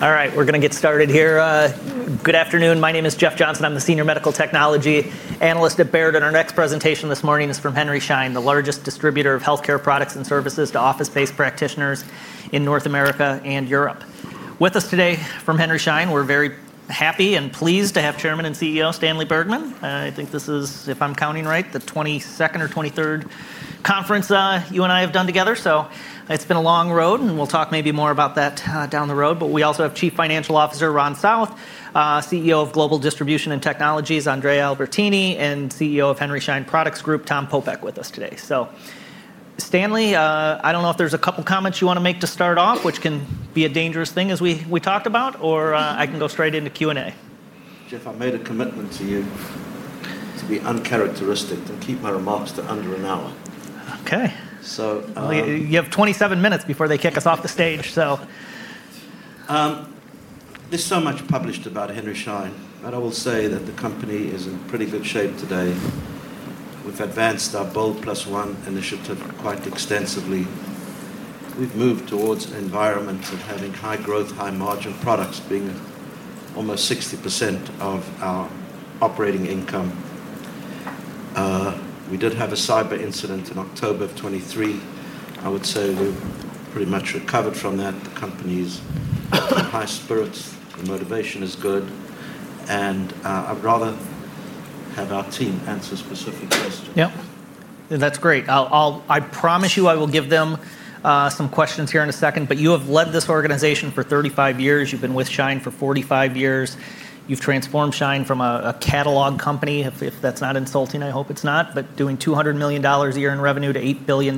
All right, we're going to get started here. Good afternoon. My name is Jeff Johnson. I'm the Senior Medical Technology Analyst at Baird, and our next presentation this morning is from Henry Schein, the largest distributor of healthcare products and services to office-based practitioners in North America and Europe. With us today from Henry Schein, we're very happy and pleased to have Chairman and CEO Stanley Bergman. I think this is, if I'm counting right, the 22nd or 23rd conference you and I have done together. It's been a long road, and we'll talk maybe more about that down the road. We also have Chief Financial Officer Ron South, CEO of Global Distribution and Technologies, Andrea Albertini, and CEO of Henry Schein Products Group, Tom Popeck, with us today. Stanley, I don't know if there's a couple of comments you want to make to start off, which can be a dangerous thing, as we talked about, or I can go straight into Q&A. I made a commitment to you to be uncharacteristic and keep my remarks to under an hour. OK. You have 27 minutes before they kick us off the stage. There's so much published about Henry Schein, but I will say that the company is in pretty good shape today. We've advanced our BOLD+1 initiative quite extensively. We've moved towards environments of having high growth, high margin products being almost 60% of our operating income. We did have a cyber incident in October of 2023. I would say we pretty much recovered from that. The company is at high spirits. The motivation is good. I'd rather have our team answer specific questions. That's great. I promise you I will give them some questions here in a second. You have led this organization for 35 years. You've been with Schein for 45 years. You've transformed Schein from a catalog company, if that's not insulting. I hope it's not. Doing $200 million a year in revenue to $8 billion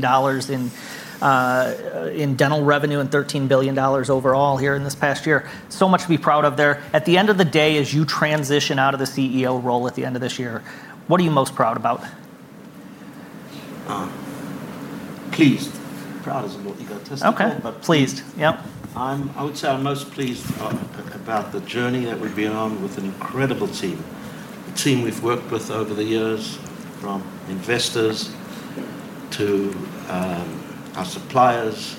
in dental revenue and $13 billion overall here in this past year. There is so much to be proud of there. At the end of the day, as you transition out of the CEO role at the end of this year, what are you most proud about? Pleased. Proud is a more egotistical word. OK, Pleased. Yeah. I would say I'm most pleased about the journey that we've been on with an incredible team, a team we've worked with over the years, from investors to our suppliers.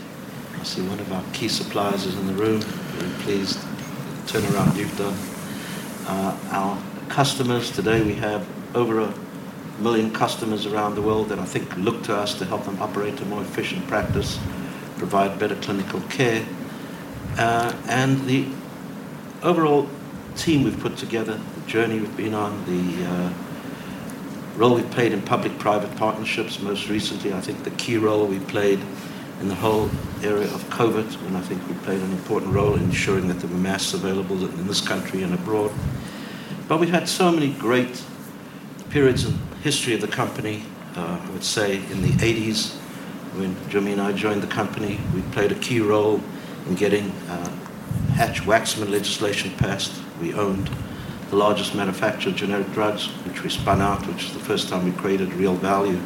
I see one of our key suppliers is in the room. Very pleased. Turn around. You've done our customers. Today, we have over 1 million customers around the world that I think look to us to help them operate a more efficient practice and provide better clinical care. The overall team we've put together, the journey we've been on, the role we've played in public-private partnerships. Most recently, I think the key role we've played in the whole area of COVID, when I think we played an important role in ensuring that there were masks available in this country and abroad. We've had so many great periods in the history of the company. I would say in the 1980s, when Jimmy and I joined the company, we played a key role in getting Hatch-Waxman legislation passed. We owned the largest manufacturer of generic drugs, which we spun out, which was the first time we created real value.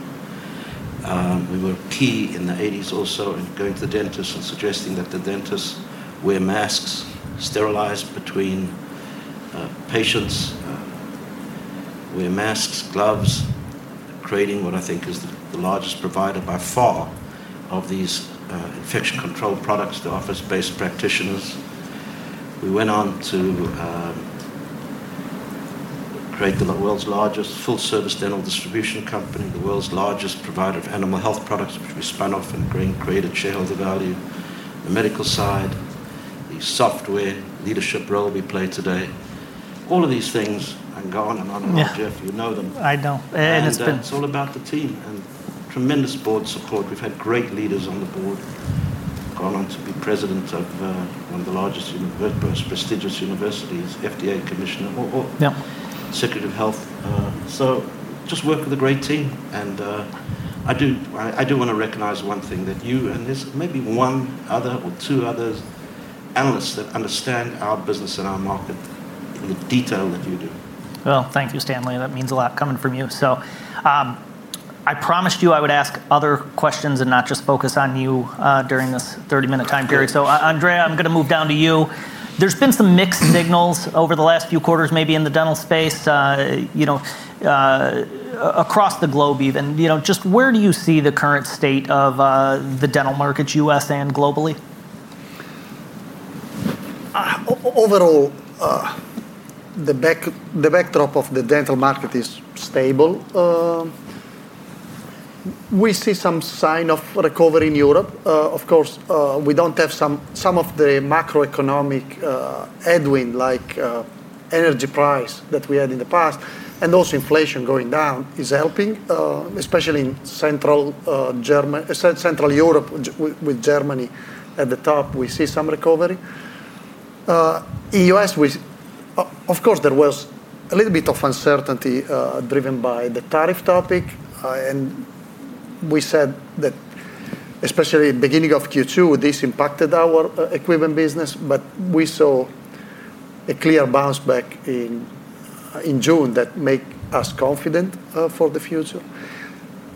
We were key in the 1980s also in going to the dentists and suggesting that the dentists wear masks, sterilize between patients, wear masks, gloves, creating what I think is the largest provider by far of these infection-control products to office-based practitioners. We went on to create the world's largest full-service dental distribution company, the world's largest provider of animal health products, which we spun off and created shareholder value. The medical side, the software leadership role we play today, all of these things I'm going on, Jeff, you know them. I know. It is all about the team and tremendous board support. We've had great leaders on the board, gone on to be President of one of the largest universities, prestigious universities, FDA Commissioner, or Secretary of Health. I just work with a great team. I do want to recognize one thing, that you and there's maybe one other or two other analysts that understand our business and our market in the detail that you do. Thank you, Stanley. That means a lot coming from you. I promised you I would ask other questions and not just focus on you during this 30-minute time period. Andrea, I'm going to move down to you. There's been some mixed signals over the last few quarters, maybe in the dental space, across the globe even. Just where do you see the current state of the dental markets U.S. and globally? Overall, the backdrop of the dental market is stable. We see some sign of recovery in Europe. Of course, we don't have some of the macroeconomic headwind, like energy price that we had in the past, and also inflation going down is helping, especially in Central Europe, with Germany at the top. We see some recovery. In the U.S., of course, there was a little bit of uncertainty driven by the tariff topic. We said that especially at the beginning of Q2, this impacted our equipment business. We saw a clear bounce back in June that makes us confident for the future.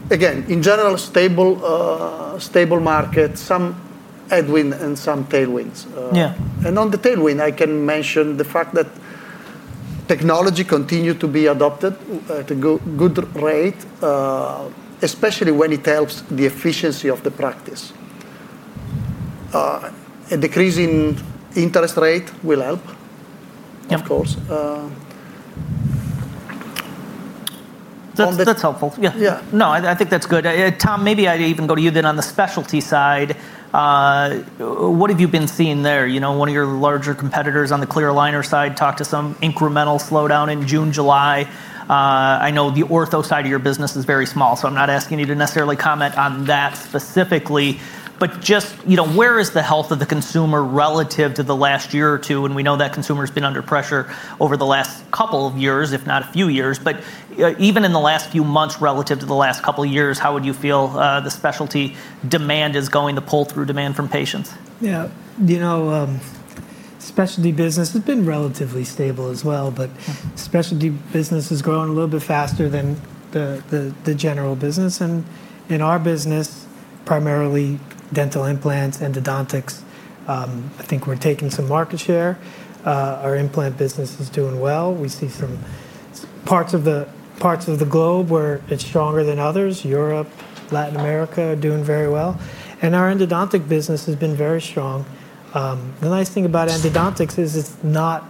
Again, in general, stable markets, some headwind and some tailwinds. Yeah. On the tailwind, I can mention the fact that technology continued to be adopted at a good rate, especially when it helps the efficiency of the practice. A decrease in interest rate will help, of course. That's helpful. Yeah. Yeah. No, I think that's good. Tom, maybe I'd even go to you then on the specialty side. What have you been seeing there? One of your larger competitors on the clear aligner side talked to some incremental slowdown in June, July. I know the ortho side of your business is very small, so I'm not asking you to necessarily comment on that specifically. Just, you know, where is the health of the consumer relative to the last year or two? We know that consumer has been under pressure over the last couple of years, if not a few years. Even in the last few months relative to the last couple of years, how would you feel the specialty demand is going, the pull-through demand from patients? Yeah. You know, specialty business has been relatively stable as well. Specialty business is growing a little bit faster than the general business. In our business, primarily dental implants, endodontics, I think we're taking some market share. Our implant business is doing well. We see some parts of the globe where it's stronger than others. Europe, Latin America doing very well. Our endodontic business has been very strong. The nice thing about endodontics is it's not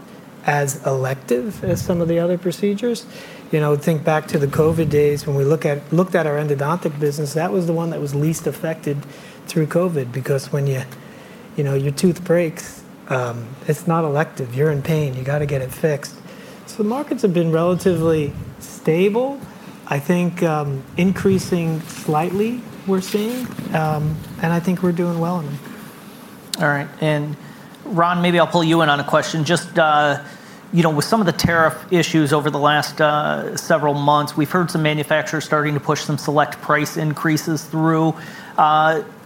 as elective as some of the other procedures. Think back to the COVID days when we looked at our endodontic business. That was the one that was least affected through COVID because when your tooth breaks, it's not elective. You're in pain. You got to get it fixed. The markets have been relatively stable, I think increasing slightly we're seeing. I think we're doing well. All right. Ron, maybe I'll pull you in on a question. With some of the tariff issues over the last several months, we've heard some manufacturers starting to push some select price increases through.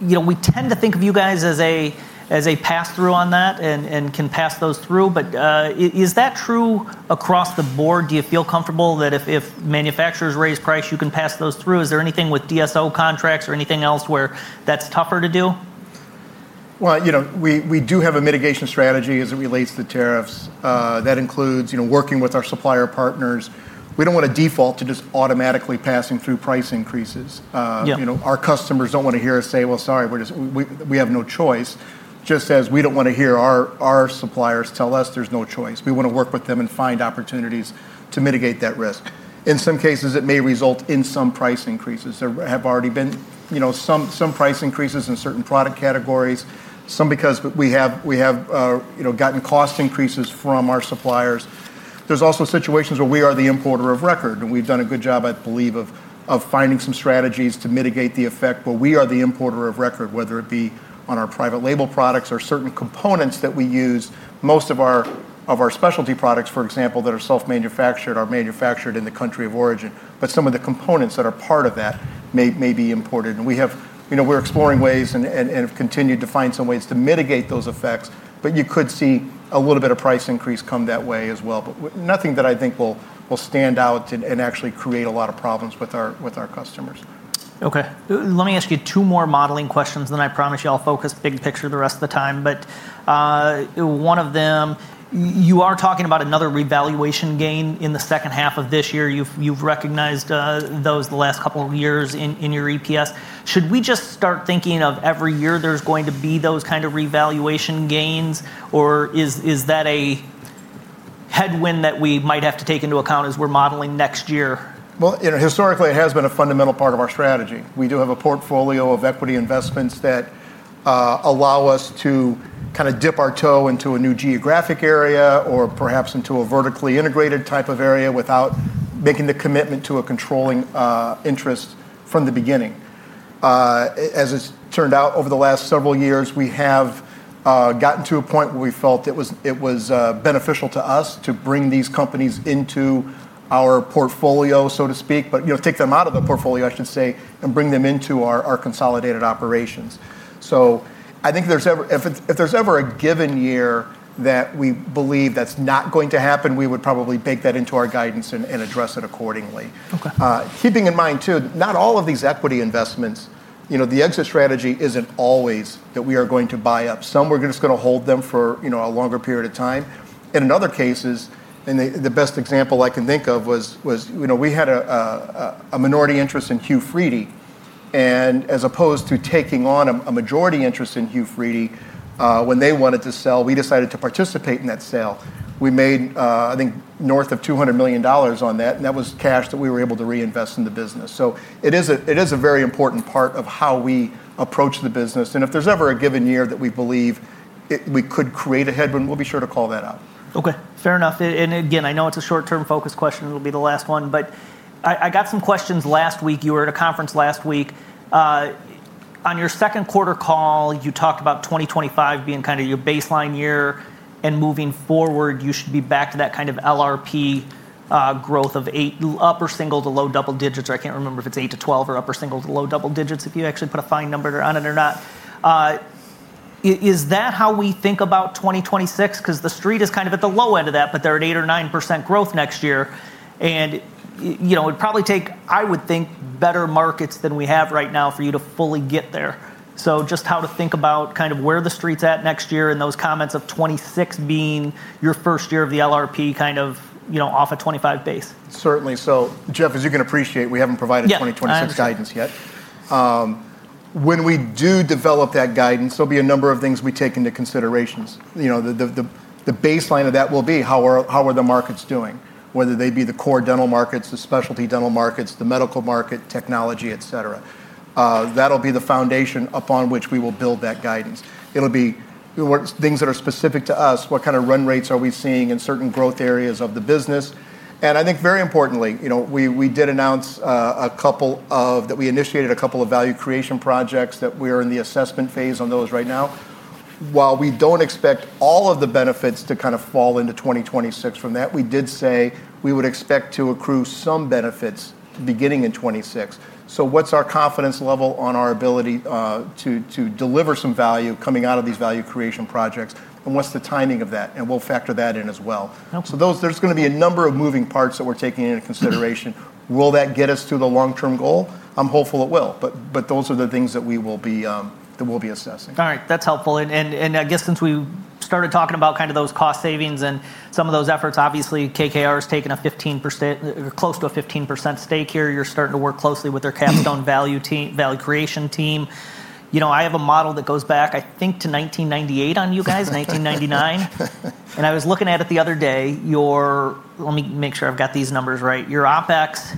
We tend to think of you guys as a pass-through on that and can pass those through. Is that true across the board? Do you feel comfortable that if manufacturers raise price, you can pass those through? Is there anything with DSO contracts or anything else where that's tougher to do? We do have a mitigation strategy as it relates to tariffs. That includes working with our supplier partners. We don't want to default to just automatically passing through price increases. Yeah. Our customers don't want to hear us say, sorry, we have no choice, just as we don't want to hear our suppliers tell us there's no choice. We want to work with them and find opportunities to mitigate that risk. In some cases, it may result in some price increases. There have already been some price increases in certain product categories, some because we have gotten cost increases from our suppliers. There are also situations where we are the importer of record. We've done a good job, I believe, of finding some strategies to mitigate the effect where we are the importer of record, whether it be on our private label products or certain components that we use. Most of our specialty products, for example, that are self-manufactured are manufactured in the country of origin. Some of the components that are part of that may be imported. We are exploring ways and have continued to find some ways to mitigate those effects. You could see a little bit of price increase come that way as well. Nothing that I think will stand out and actually create a lot of problems with our customers. OK. Let me ask you two more modeling questions, and I promise you I'll focus big picture the rest of the time. One of them, you are talking about another revaluation gain in the second half of this year. You've recognized those the last couple of years in your EPS. Should we just start thinking of every year there's going to be those kind of revaluation gains, or is that a headwind that we might have to take into account as we're modeling next year? Historically, it has been a fundamental part of our strategy. We do have a portfolio of equity investments that allow us to kind of dip our toe into a new geographic area or perhaps into a vertically integrated type of area without making the commitment to a controlling interest from the beginning. As it's turned out, over the last several years, we have gotten to a point where we felt it was beneficial to us to bring these companies into our portfolio, so to speak, but, you know, take them out of the portfolio, I should say, and bring them into our consolidated operations. I think if there's ever a given year that we believe that's not going to happen, we would probably bake that into our guidance and address it accordingly. OK. Keeping in mind, too, not all of these equity investments, you know, the exit strategy isn't always that we are going to buy up. Some we're just going to hold them for a longer period of time. In other cases, the best example I can think of was, you know, we had a minority interest in Hu-Freidy. As opposed to taking on a majority interest in Hu-Freidy, when they wanted to sell, we decided to participate in that sale. We made, I think, north of $200 million on that. That was cash that we were able to reinvest in the business. It is a very important part of how we approach the business. If there's ever a given year that we believe we could create a headwind, we'll be sure to call that out. OK. Fair enough. I know it's a short-term focus question. It'll be the last one. I got some questions last week. You were at a conference last week. On your second quarter call, you talked about 2025 being kind of your baseline year. Moving forward, you should be back to that kind of LRP growth of upper single to low double digits. I can't remember if it's 8%-12% or upper single to low double digits, if you actually put a fine number on it or not. Is that how we think about 2026? The Street is kind of at the low end of that, but they're at 8% or 9% growth next year. It would probably take, I would think, better markets than we have right now for you to fully get there. Just how to think about kind of where the Street's at next year and those comments of 2026 being your first year of the LRP kind of, you know, off a 2025 base. Certainly. Jeff, as you can appreciate, we haven't provided 2026 guidance yet. Yeah. When we do develop that guidance, there'll be a number of things we take into consideration. The baseline of that will be how are the markets doing, whether they be the core dental markets, the specialty dental markets, the medical market, technology, etc. That'll be the foundation upon which we will build that guidance. It'll be things that are specific to us. What kind of run rates are we seeing in certain growth areas of the business? I think very importantly, we did announce that we initiated a couple of value creation projects that we are in the assessment phase on right now. While we don't expect all of the benefits to fall into 2026 from that, we did say we would expect to accrue some benefits beginning in 2026. What's our confidence level on our ability to deliver some value coming out of these value-creation projects? What's the timing of that? We'll factor that in as well. OK. There is going to be a number of moving parts that we're taking into consideration. Will that get us to the long-term goal? I'm hopeful it will. Those are the things that we will be assessing. All right. That's helpful. I guess since we started talking about kind of those cost savings and some of those efforts, obviously, KKR has taken a 15%, close to a 15% stake here. You're starting to work closely with their Capstone value creation team. I have a model that goes back, I think, to 1998 on you guys, 1999. I was looking at it the other day. Let me make sure I've got these numbers right. Your OpEx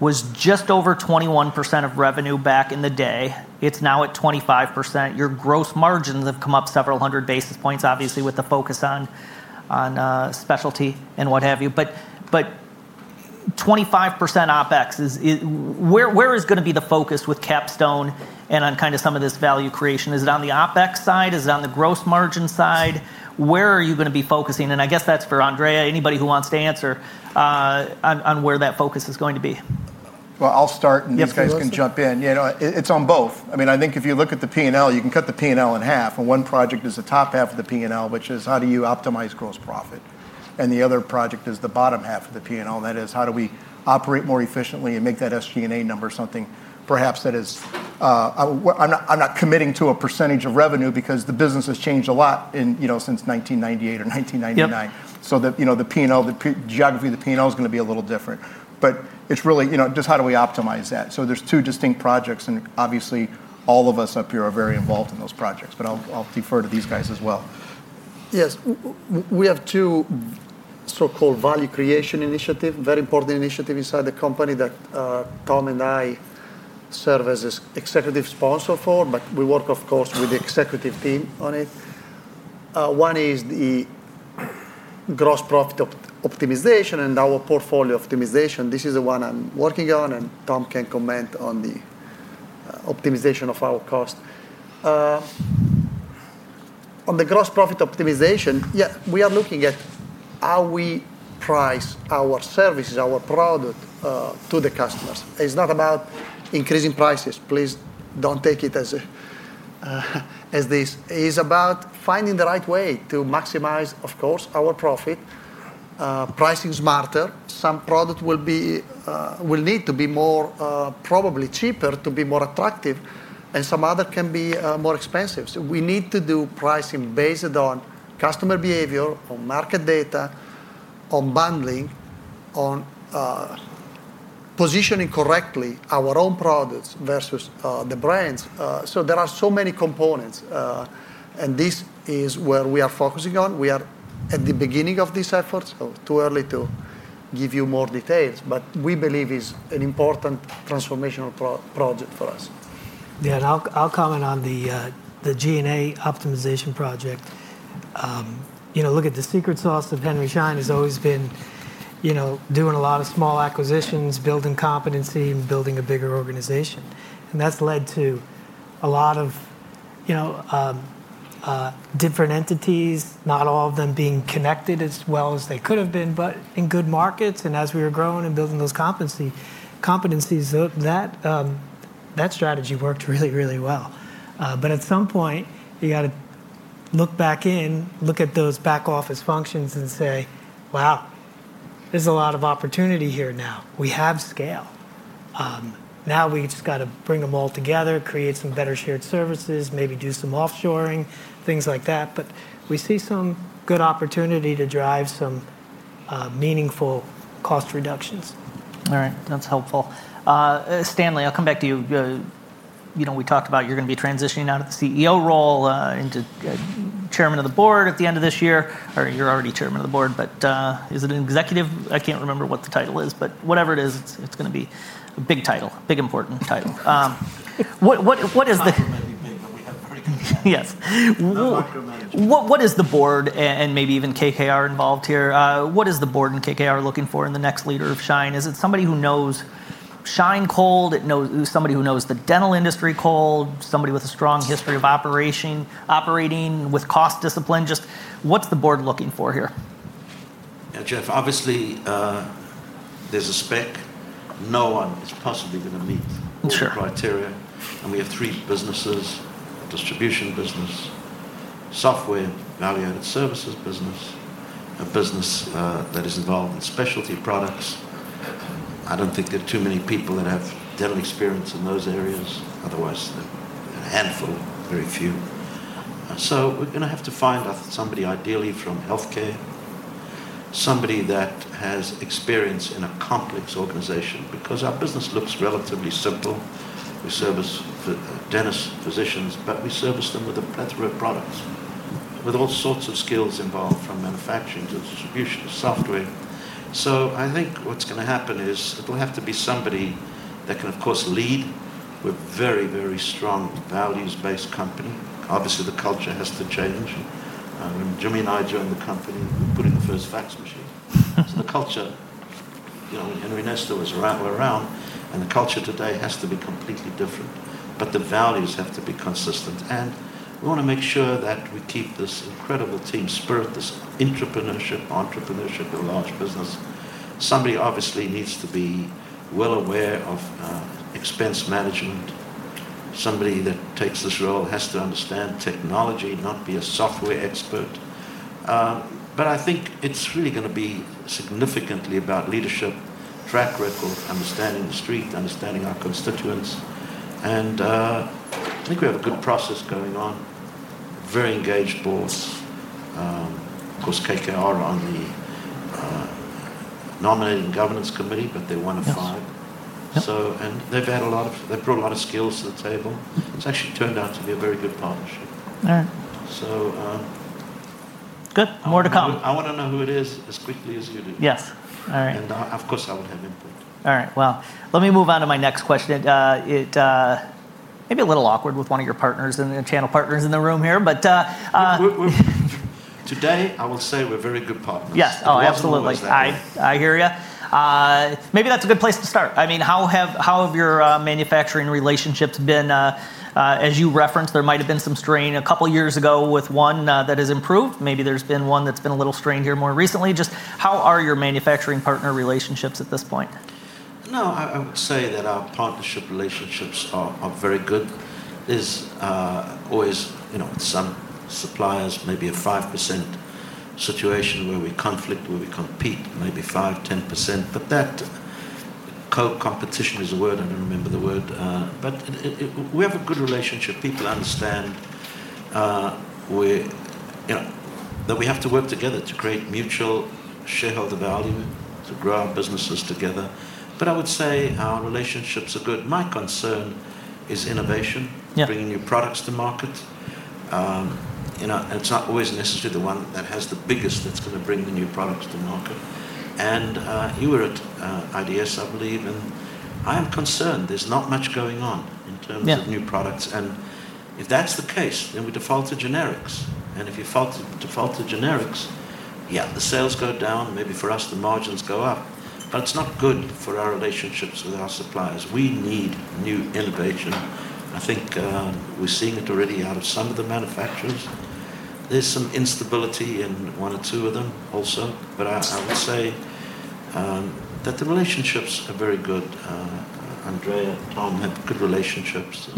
was just over 21% of revenue back in the day. It's now at 25%. Your gross margins have come up several hundred basis points, obviously, with the focus on specialty and what have you. 25% OpEx, where is going to be the focus with Capstone and on kind of some of this value creation? Is it on the OpEx side? Is it on the gross margin side? Where are you going to be focusing? I guess that's for Andrea, anybody who wants to answer on where that focus is going to be. I'll start, and you guys can jump in. Yes, please. It's on both. I mean, I think if you look at the P&L, you can cut the P&L in half. One project is the top half of the P&L, which is how do you optimize gross profit? The other project is the bottom half of the P&L, and that is how do we operate more efficiently and make that SG&A number something perhaps that is—I'm not committing to a percentage of revenue because the business has changed a lot since 1998 or 1999. Yeah. The P&L, the geography of the P&L is going to be a little different. It's really, you know, just how do we optimize that? There are two distinct projects. Obviously, all of us up here are very involved in those projects. I'll defer to these guys as well. Yes. We have two so-called value creation initiatives, very important initiatives inside the company that Tom and I serve as Executive Sponsor for. We work, of course, with the executive team on it. One is the gross profit optimization and our portfolio optimization. This is the one I'm working on. Tom can comment on the optimization of our cost. On the gross profit optimization, we are looking at how we price our services, our product to the customers. It's not about increasing prices. Please don't take it as this. It is about finding the right way to maximize, of course, our profit, pricing smarter. Some products will need to be probably cheaper to be more attractive, and some others can be more expensive. We need to do pricing based on customer behavior, on market data, on bundling, on positioning correctly our own products versus the brands. There are so many components. This is where we are focusing on. We are at the beginning of this effort, too early to give you more details. We believe it's an important transformational project for us. Yeah. I'll comment on the G&A optimization project. Look at the secret sauce of Henry Schein. It's always been doing a lot of small acquisitions, building competency, and building a bigger organization. That's led to a lot of different entities, not all of them being connected as well as they could have been, in good markets. As we were growing and building those competencies, that strategy worked really, really well. At some point, you got to look back in, look at those back office functions, and say, wow, there's a lot of opportunity here now. We have scale. Now we just got to bring them all together, create some better shared services, maybe do some offshoring, things like that. We see some good opportunity to drive some meaningful cost reductions. All right. That's helpful. Stanley, I'll come back to you. You know, we talked about you're going to be transitioning out of the CEO role into Chairman of the Board at the end of this year. You're already Chairman of the Board. Is it an executive? I can't remember what the title is. Whatever it is, it's going to be a big title, a big important title. What is the-- We have a very big title. Yes. Welcome, Andrea. What is the board and maybe even KKR involved here? What is the board and KKR looking for in the next leader of Schein? Is it somebody who knows Schein cold? Is it somebody who knows the dental industry cold? Somebody with a strong history of operating with cost discipline? Just what's the board looking for here? Yeah, Jeff, obviously, there's a spec. No one is possibly going to meet the criteria. Oh, sure. We have three businesses: a distribution business, a software and value-added services business, and a business that is involved in specialty products. I don't think there are too many people that have dental experience in those areas. Otherwise, a handful, very few. We are going to have to find somebody ideally from health care, somebody that has experience in a complex organization because our business looks relatively simple. We service dentists and physicians, but we service them with a breadth of our products, with all sorts of skills involved from manufacturing to distribution to software. I think what's going to happen is it'll have to be somebody that can, of course, lead. We are a very, very strong values-based company. Obviously, the culture has to change. When Jimmy and I joined the company, we put in the first fax machine. The culture, you know, when Henry Nestor was around, and the culture today has to be completely different. The values have to be consistent. We want to make sure that we keep this incredible team spirit, this entrepreneurship, entrepreneurship of a large business. Somebody obviously needs to be well aware of expense management. Somebody that takes this role has to understand technology, not be a software expert. I think it's really going to be significantly about leadership, track record, understanding the Street, understanding our constituents. I think we have a good process going on, very engaged boards. Of course, KKR are on the nominating governance committee, but they want to fight. OK. They've brought a lot of skills to the table. It's actually turned out to be a very good partnership. All right. So. Good. More to come. I want to know who it is as quickly as you do. Yes, all right. Of course, I will have input. All right. Let me move on to my next question. It may be a little awkward with one of your partners and the channel partners in the room here. Today, I will say we're very good partners. Yes, oh, absolutely. We're very good partners. I hear you. Maybe that's a good place to start. I mean, how have your manufacturing relationships been? As you referenced, there might have been some strain a couple of years ago with one that has improved. Maybe there's been one that's been a little strained here more recently. Just how are your manufacturing partner relationships at this point? No, I would say that our partnership relationships are very good. There's always, you know, some suppliers, maybe a 5% situation where we conflict, where we compete, maybe 5%, 10%. That co-competition is a word I don't remember the word. We have a good relationship. People understand that we have to work together to create mutual shareholder value, to grow our businesses together. I would say our relationships are good. My concern is innovation. Yeah. Bringing new products to market, you know, it's not always necessarily the one that has the biggest that's going to bring the new products to market. Here we're at IDS, I believe, and I am concerned there's not much going on in terms of new products. Yeah. If that's the case, we default to generics. If you default to generics, yeah, the sales go down. Maybe for us, the margins go up, but it's not good for our relationships with our suppliers. We need new innovation. I think we're seeing it already out of some of the manufacturers. There's some instability in one or two of them also. I would say that the relationships are very good. Andrea and Tom have good relationships.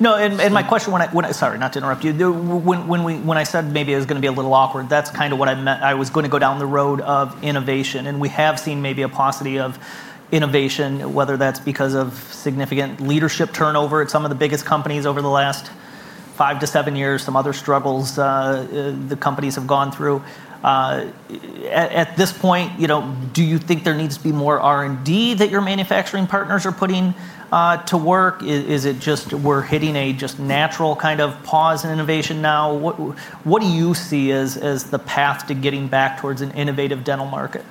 No, and my question when I—sorry, not to interrupt you. When I said maybe it was going to be a little awkward, that's kind of what I meant. I was going to go down the road of innovation. We have seen maybe a paucity of innovation, whether that's because of significant leadership turnover at some of the biggest companies over the last five to seven years, or some other struggles the companies have gone through. At this point, do you think there needs to be more R&D that your manufacturing partners are putting to work? Is it just we're hitting a just natural kind of pause in innovation now? What do you see as the path to getting back towards an innovative dental market?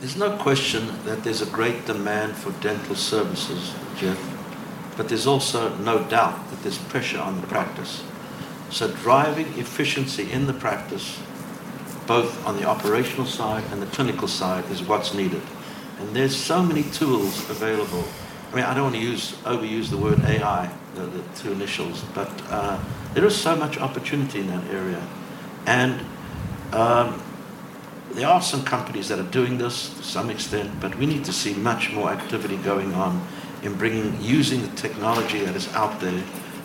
There's no question that there's a great demand for dental services, Jeff. There's also no doubt that there's pressure on the practice. Driving efficiency in the practice, both on the operational side and the clinical side, is what's needed. There are so many tools available. I don't want to use—I will use the word AI, the two initials. There is so much opportunity in that area. There are some companies that are doing this to some extent. We need to see much more activity going on in bringing, using the technology that is out there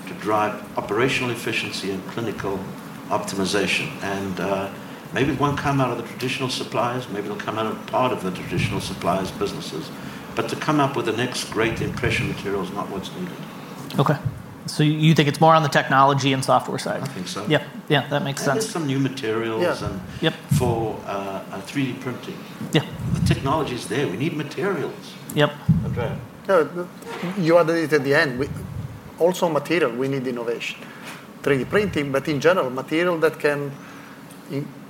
to drive operational efficiency and clinical optimization. Maybe it won't come out of the traditional suppliers. Maybe it'll come out of part of the traditional suppliers' businesses. To come up with the next great impression material is not what's needed. OK. You think it's more on the technology and software side? I think so. Yeah, yeah, that makes sense. There are some new materials. Yep. For 3D printing. Yeah. The technology is there, we need materials. Yep. Andrea, you are there at the end. Also, material, we need innovation, 3D printing, but in general, material that can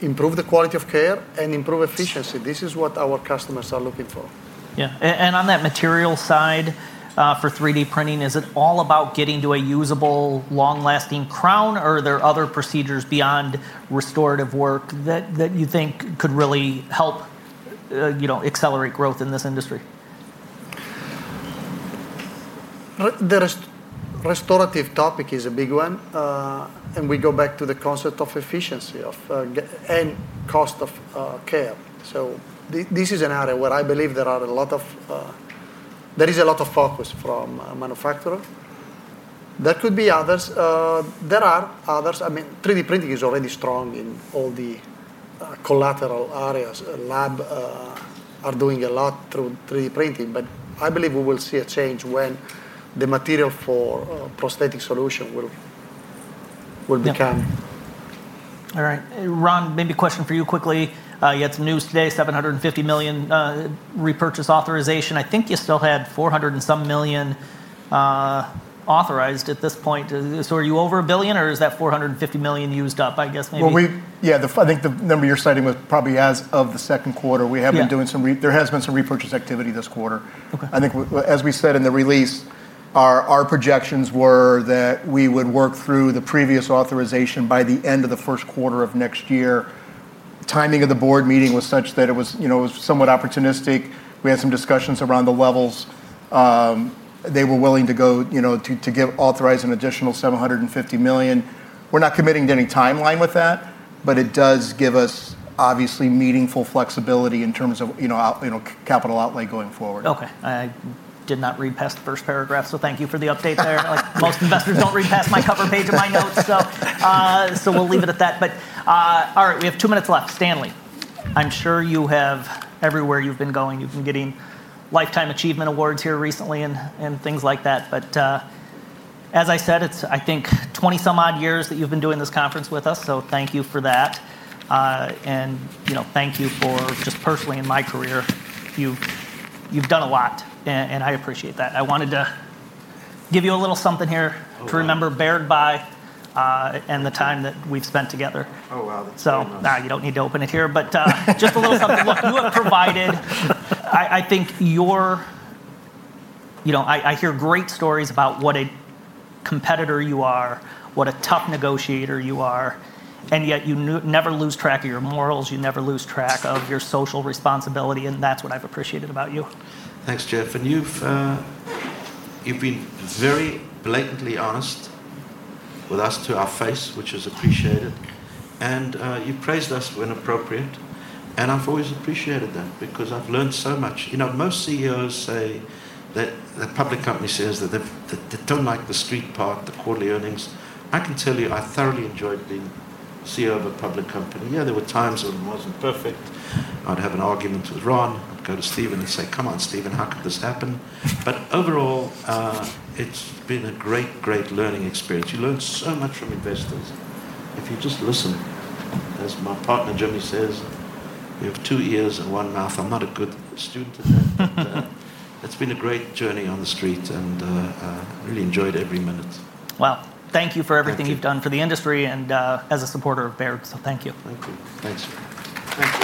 improve the quality of care and improve efficiency. This is what our customers are looking for. On that material side for 3D printing, is it all about getting to a usable, long-lasting crown? Or are there other procedures beyond restorative work that you think could really help accelerate growth in this industry? The restorative topic is a big one. We go back to the concept of efficiency and cost of care. This is an area where I believe there is a lot of focus from manufacturers. There could be others. There are others. I mean, 3D printing is already strong in all the collateral areas. Labs are doing a lot through 3D printing. I believe we will see a change when the material for prosthetic solutions will become. All right. Ron, maybe a question for you quickly. You had some news today, $750 million repurchase authorization. I think you still had $400 and some million authorized at this point. Are you over a billion, or is that $450 million used up, I guess, maybe? I think the number you're citing was probably as of the second quarter. Yeah. We have been doing some repurchase activity this quarter. OK. I think, as we said in the release, our projections were that we would work through the previous authorization by the end of the first quarter of next year. The timing of the board meeting was such that it was somewhat opportunistic. We had some discussions around the levels. They were willing to authorize an additional $750 million. We're not committing to any timeline with that. It does give us, obviously, meaningful flexibility in terms of capital outlay going forward. OK. I did not read past the first paragraph. Thank you for the update there. Most investors don't read past my cover page of my notes. We'll leave it at that. All right, we have two minutes left. Stanley, I'm sure you have, everywhere you've been going, you've been getting lifetime achievement awards here recently and things like that. As I said, it's, I think, 20 some odd years that you've been doing this conference with us. Thank you for that. Thank you for just personally in my career, you've done a lot. I appreciate that. I wanted to give you a little something here to remember Baird by, and the time that we've spent together. Oh, wow. You don't need to open it here, but just a little something you have provided. I think I hear great stories about what a competitor you are, what a tough negotiator you are. Yet, you never lose track of your morals. You never lose track of your social responsibility. That's what I've appreciated about you. Thanks, Jeff. You have been very blatantly honest with us to our face, which is appreciated. You praised us when appropriate. I have always appreciated that because I have learned so much. Most CEOs say that the public company says that they do not like the street part, the quarterly earnings. I can tell you I thoroughly enjoyed being the CEO of a public company. Yeah, there were times when it was not perfect. I would have an argument with Ron. I would go to Steven and say, come on, Steven, how could this happen? Overall, it has been a great, great learning experience. You learn so much from investors if you just listen. As my partner generally says, you have two ears and one mouth. I am not a good student in that. It has been a great journey on the street. I really enjoyed every minute. Thank you for everything you've done for the industry and as a supporter of Baird. Thank you. Thank you. Thanks, Jeff. Thank you.